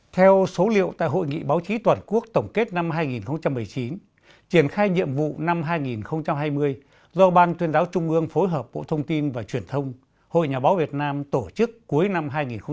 theo số liệu tại hội nghị báo chí toàn quốc tổng kết năm hai nghìn một mươi chín triển khai nhiệm vụ năm hai nghìn hai mươi do ban tuyên giáo trung ương phối hợp bộ thông tin và truyền thông hội nhà báo việt nam tổ chức cuối năm hai nghìn một mươi chín